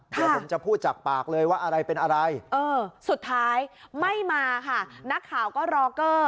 เดี๋ยวผมจะพูดจากปากเลยว่าอะไรเป็นอะไรสุดท้ายไม่มาค่ะนักข่าวก็รอเกอร์